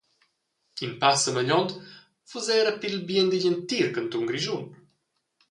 In pass semegliont fuss era pil bien digl entir cantun Grischun.